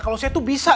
kalau saya tuh bisa